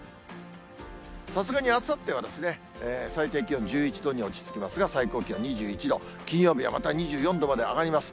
さすがにあさっては最低気温１１度に落ち着きますが、最高気温２１度、金曜日はまた２４度まで上がります。